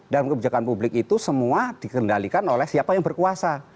dan kebijakan publik itu semua dikendalikan oleh siapa yang berkuasa